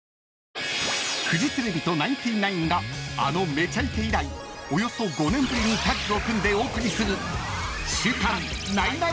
［フジテレビとナインティナインがあの『めちゃイケ』以来およそ５年ぶりにタッグを組んでお送りする］